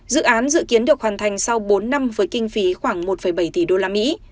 dự án dự kiến được hoàn thành sau bốn năm với kinh phí khoảng một bảy tỷ usd